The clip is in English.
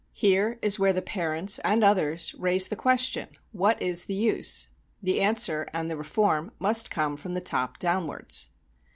Here is where the parents, and others, raise the question, what is the use? The answer and the reform must come from the top downwards.